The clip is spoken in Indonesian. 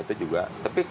ini untuk apa